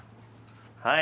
はい